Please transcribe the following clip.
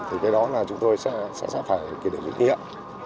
thì cái đó là chúng tôi sẽ phải kỷ niệm dựng hiệu